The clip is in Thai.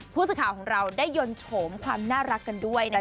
ผู้สื่อข่าวของเราได้ยนต์โฉมความน่ารักกันด้วยนะคะ